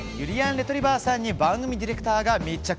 レトリィバァさんに番組ディレクターが密着。